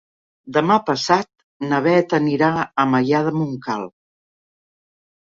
Demà passat na Beth anirà a Maià de Montcal.